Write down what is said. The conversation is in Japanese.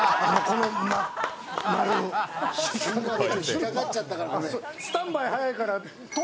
引っかかっちゃったから。